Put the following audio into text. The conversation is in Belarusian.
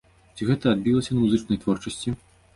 Ці гэта адбілася на музычнай творчасці?